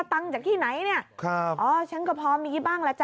รักษาเพื่อนบ้านไว้เอา